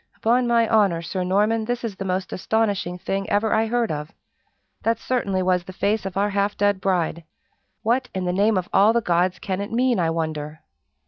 "Upon my honor, Sir Norman, this is the most astonishing thing ever I heard of. That certainly was the face of our half dead bride! What, in the name of all the gods, can it mean, I wonder?"